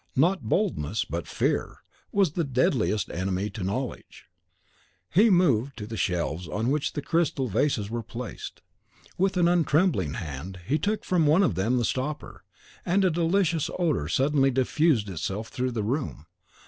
Not Boldness, but Fear, was the deadliest enemy to Knowledge. He moved to the shelves on which the crystal vases were placed; with an untrembling hand he took from one of them the stopper, and a delicious odor suddenly diffused itself through the room.